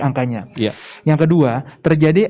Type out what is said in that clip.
angkanya yang kedua terjadi